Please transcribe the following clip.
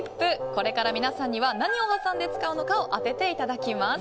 これから皆さんには何を挟んで使うのかを当てていただきます。